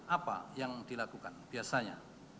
apa yang dilakukan biasanya